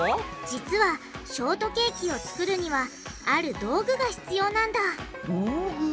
実はショートケーキを作るにはある道具が必要なんだ。